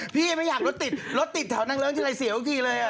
พี่ไม่อยากรถติดรถติดแถวนางเริงที่ในเสียวุฒิเลย